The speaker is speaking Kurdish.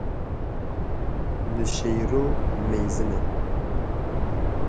Li Şêro meyzîne.